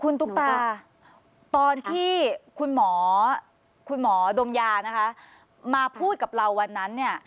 คุณตุ๊กตาตอนที่คุณหมอคุณหมอดมยานะคะมาพูดกับเราวันนั้นเนี่ย